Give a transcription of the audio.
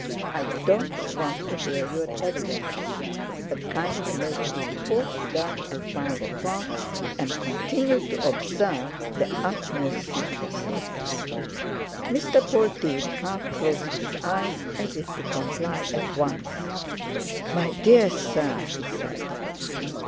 I don't want to hear your evidence, but kindly make your report to them at five o'clock, and continue to observe the utmost secrecy." Mr. Polteed half closed his eyes, as if to comply at once. "My dear sir," he said.